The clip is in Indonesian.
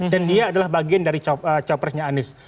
dan dia adalah bagian dari capresnya anies